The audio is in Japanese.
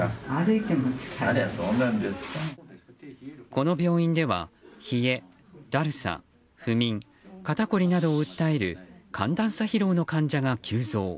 この病院では冷え、だるさ不眠、肩こりなどを訴える寒暖差疲労の患者が急増。